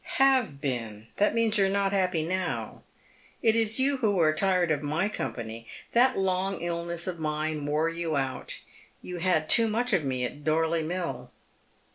" Have been. That means you are not happy now. It is you who are tired of my company. That long illness of mine wore you out. You had too much of me at Dorley ^lill."